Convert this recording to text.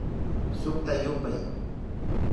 Sukta yupay